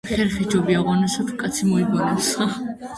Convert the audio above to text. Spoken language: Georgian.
ხერხი სჯობია ღონესა, თუ კაცი მოიგონებსა